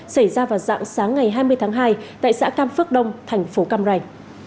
xảy ra vào dạng sáng ngày hai mươi tháng hai tại xã cam phước đông thành phố cam ranh